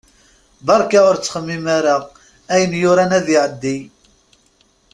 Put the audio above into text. Berka ur ttxemmim ara, ayen yuran ad iɛeddi.